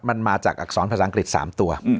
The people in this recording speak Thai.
มันมาจากอักษรภาษาอังกฤษ๓ตัว